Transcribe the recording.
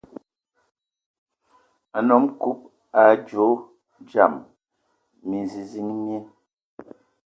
A nnom Kub a adzo dzam minziziŋ mie,